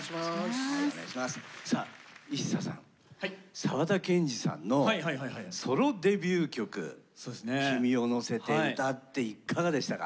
沢田研二さんのソロデビュー曲「君をのせて」歌っていかがでしたか？